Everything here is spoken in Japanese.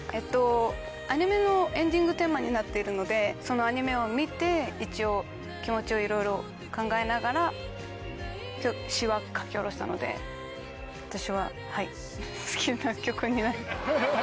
アニメのエンディングテーマになっているのでそのアニメを見て一応気持ちをいろいろ考えながら詞は書き下ろしたので私ははい好きな曲に。